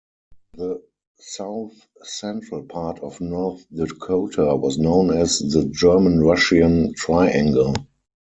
The south-central part of North Dakota was known as "the German-Russian triangle".